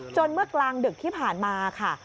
เมื่อกลางดึกที่ผ่านมาค่ะ